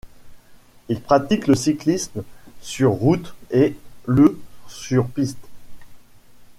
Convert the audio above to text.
Il pratique le cyclisme sur route et le sur piste.